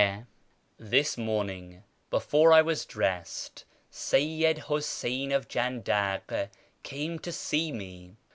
— This morning, before I was dressed, Seyyid Huseyn of Jandak came to see me.